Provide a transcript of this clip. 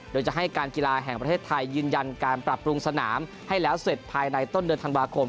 โดยจะให้การกีฬาแห่งประเทศไทยยืนยันการปรับปรุงสนามให้แล้วเสร็จภายในต้นเดือนธันวาคม